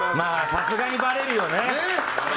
さすがにバレるよね。